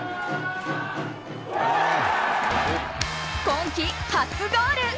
今季初ゴール。